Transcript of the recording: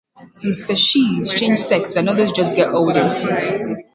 Some species change sex and others just get older.